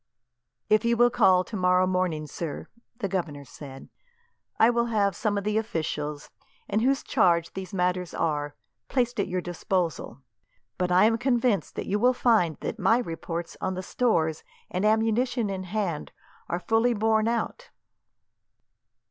"If you will call tomorrow morning, sir," the governor said, "I will have some of the officials, in whose charge these matters are, placed at your disposal; but I am convinced that you will find that my reports on the stores and ammunition in hand are fully borne out."